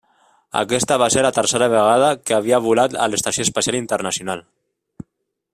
Aquesta va ser la tercera vegada que havia volat a l'Estació Espacial Internacional.